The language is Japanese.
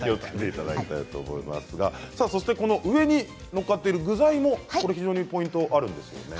上に載っかっている具材も非常にポイントがあるんですよね。